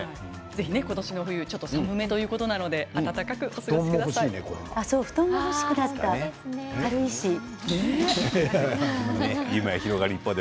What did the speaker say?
今年の冬は寒めということですので暖かくお過ごしください。